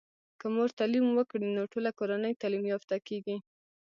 که مور تعليم وکړی نو ټوله کورنۍ تعلیم یافته کیږي.